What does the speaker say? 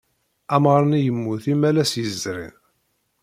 Amɣar-nni yemmut imalas yezrin.